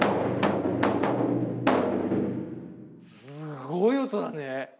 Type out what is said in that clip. すごい音だね。